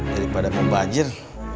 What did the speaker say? daripada mau bajir